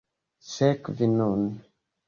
Sekvi nun!